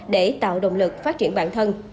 để tạo động lực phát triển bản thân